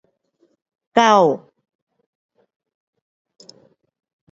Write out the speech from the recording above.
狗